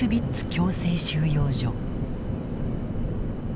強制収容所。